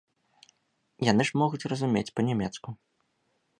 Яны ж могуць разумець па-нямецку.